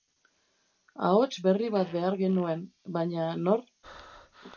Ahots berri bat behar genuen, baina nor?